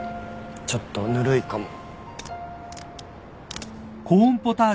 ちょっとぬるいかも。